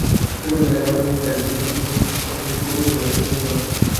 দুপুরবেলায় খাবার নিমন্ত্রণ, তাই ভিজে চুল তখন খোঁপা করে বাঁধবার সময় ছিল ন।